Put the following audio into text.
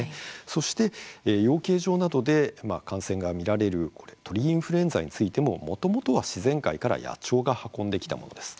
そして養鶏場などで感染が見られる鳥インフルエンザについてももともとは自然界から野鳥が運んできたものです。